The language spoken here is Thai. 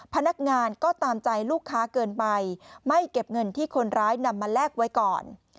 พนักงานก็ตามใจลูกค้าเกินไปไม่เก็บเงินที่คนร้ายนำมาแลกไว้ก่อน